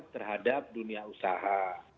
terhadap dunia usaha